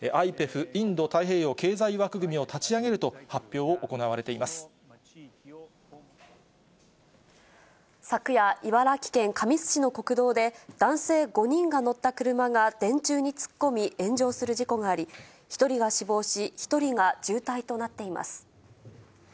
・インド太平洋経済枠組みを立ち上げると発表が行われて昨夜、茨城県神栖市の国道で、男性５人が乗った車が電柱に突っ込み、炎上する事故があり、１人が死亡し、１人が重体となっています。